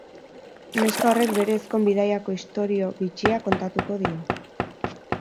Neska horrek bere ezkon-bidaiako istorio bitxia kontatuko dio.